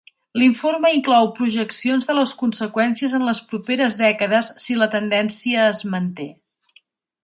L'informe inclou projeccions de les conseqüències en les properes dècades si la tendència es manté.